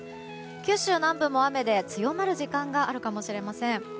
九州南部も雨で強まる時間があるかもしれません。